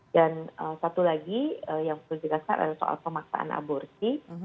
dan satu lagi yang perlu dijelaskan adalah soal pemaksaan aborsi